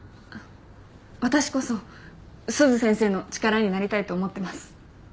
私こそ鈴先生の力になりたいと思ってます。